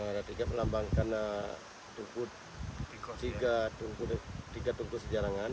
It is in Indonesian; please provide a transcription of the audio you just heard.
ada tiga pelambangkan tiga tungku sejarangan